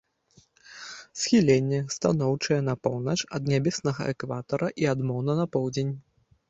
Схіленне станоўчае на поўнач ад нябеснага экватара і адмоўна на поўдзень.